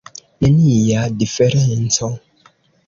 Nenia diferenco!